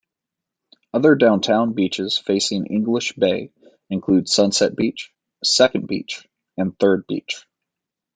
Other downtown beaches facing English Bay include Sunset Beach, Second Beach, and Third Beach.